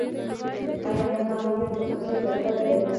آیا کام ایر خصوصي شرکت دی؟